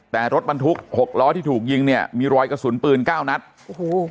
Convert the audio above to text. แต่รถบรรทุกหกล้อที่ถูกยิงเนี่ยมีรอยกระสุนปืนเก้านัดโอ้โห